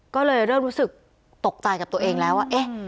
ก็เลยเริ่มรู้สึกตกใจกับตัวเองแล้วว่าเอ๊ะ